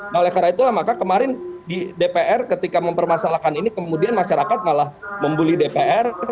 nah oleh karena itulah maka kemarin di dpr ketika mempermasalahkan ini kemudian masyarakat malah membuli dpr